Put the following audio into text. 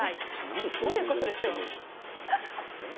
どういうことでしょう。